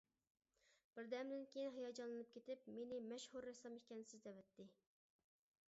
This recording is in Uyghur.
بىردەمدىن كېيىن ھاياجانلىنىپ كېتىپ مېنى، مەشھۇر رەسسام ئىكەنسىز، دەۋەتتى.